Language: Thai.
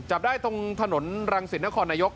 จับได้ตรงถนนรังสิตนครนายก